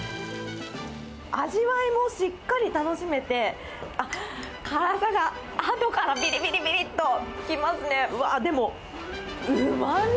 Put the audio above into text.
味わいもしっかり楽しめて、辛さがあとから、びりびりびりっときますね。